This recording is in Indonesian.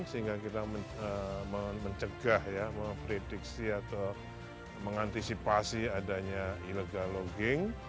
sehingga kita mencegah ya memprediksi atau mengantisipasi adanya illegal logging